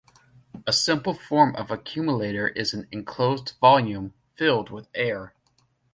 A simple form of accumulator is an enclosed volume, filled with air.